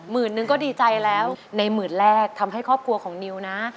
นึงก็ดีใจแล้วในหมื่นแรกทำให้ครอบครัวของนิวนะ